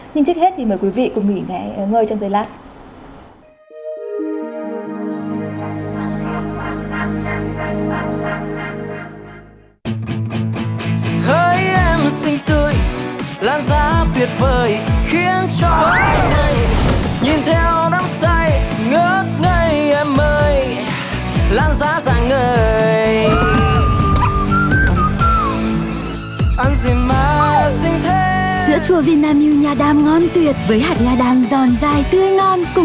nhưng trước hết thì mời quý vị cùng nghỉ ngơi trong giây lát